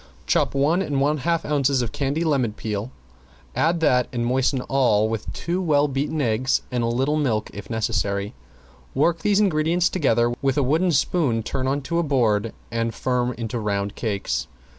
Chop one and half ounces of candied lemon peel, add that and moisten all with two well beaten eggs and a little milk if necessary. Work these ingredients together, with a wooden spoon turn on to a board and form into round cakes.